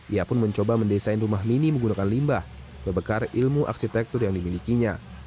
ia pun mencoba mendesain rumah mini menggunakan limbah berbekar ilmu arsitektur yang dimilikinya